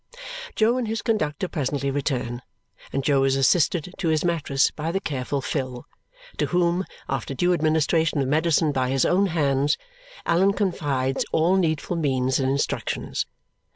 Jo and his conductor presently return, and Jo is assisted to his mattress by the careful Phil, to whom, after due administration of medicine by his own hands, Allan confides all needful means and instructions.